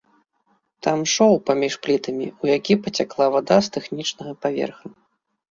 Там шоў паміж плітамі, у які пацякла вада з тэхнічнага паверха.